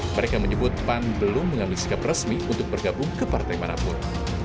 mereka menyebut pan belum mengambil sikap resmi untuk bergabung ke partai manapun